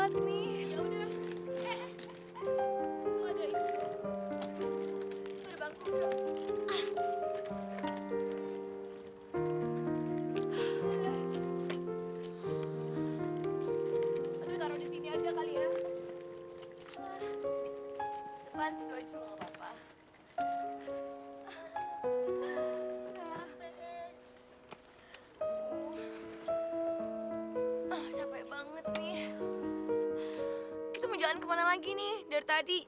kita mau jalan kemana lagi nih dari tadi